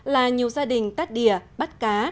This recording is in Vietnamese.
là nhiều gia đình tắt đìa bắt cá